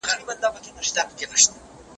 دغه څانګي په يوه ټاکلې محدوده کي حرکت نه کوي.